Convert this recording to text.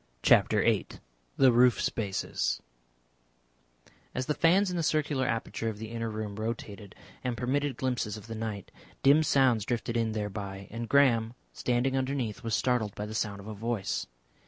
CHAPTER VIII THE ROOF SPACES As the fans in the circular aperture of the inner room rotated and permitted glimpses of the night, dim sounds drifted in thereby. And Graham, standing underneath, was startled by the sound of a voice.